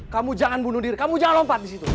kamu jangan bunuh diri kamu jangan lompat di situ